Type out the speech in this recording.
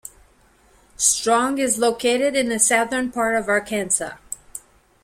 Strong is located in the southern part of Arkansas.